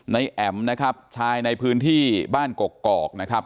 แอ๋มนะครับชายในพื้นที่บ้านกกอกนะครับ